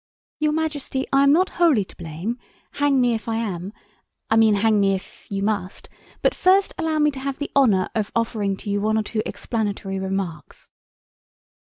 "Your Majesty, I am not wholly to blame—hang me if I am—I mean hang me if you must; but first allow me to have the honour of offering to you one or two explanatory remarks."